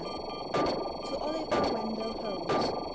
TO OLIVER WENDELL HOLMES.